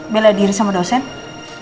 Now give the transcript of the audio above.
bela diri sama dosen